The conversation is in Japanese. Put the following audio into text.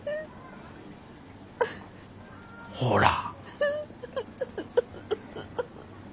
ほら。